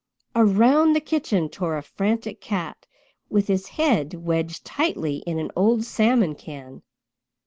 Around the kitchen tore a frantic cat, with his head wedged tightly in an old salmon can.